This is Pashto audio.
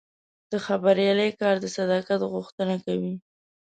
د خبریالۍ کار د صداقت غوښتنه کوي.